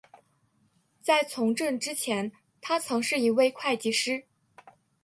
在从政之前他曾是一位会计师。